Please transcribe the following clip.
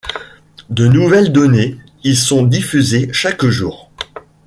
De nouvelles données y sont diffusées chaque jour.